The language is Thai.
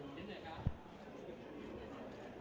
สวัสดีครับ